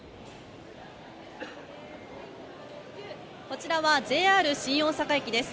こちらはＪＲ新大阪駅です